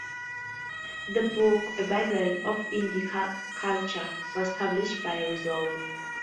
The book a bible of indie culture was published by Rizzoli.